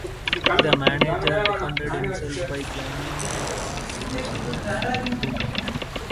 The manager defended himself by claiming he was using black humour.